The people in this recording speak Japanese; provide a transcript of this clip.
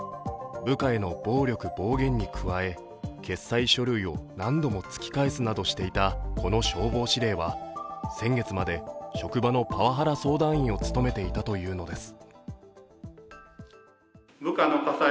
部下への暴力・暴言に加え決裁書類を何度も突き返すなどしていたこの消防司令は先月まで職場のパワハラ相談員を務めていたというのです。